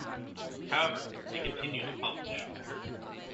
However, it continued to publish.